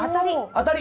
当たり！